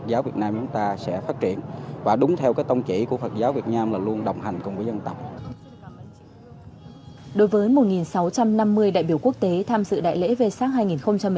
đối với một sáu trăm năm mươi đại biểu quốc tế tham dự đại lễ vê sắc hai nghìn một mươi chín